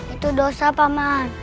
itu dosa paman